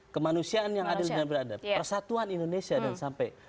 kemanusiaan yang adil dan beradab persatuan indonesia dan sampai